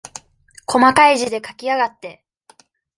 こまかい字で書きやがって。